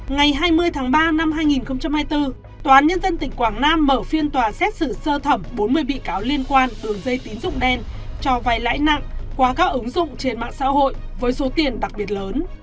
ngày hai mươi tháng ba năm hai nghìn hai mươi bốn tòa án nhân dân tỉnh quảng nam mở phiên tòa xét xử sơ thẩm bốn mươi bị cáo liên quan đường dây tín dụng đen cho vay lãi nặng qua các ứng dụng trên mạng xã hội với số tiền đặc biệt lớn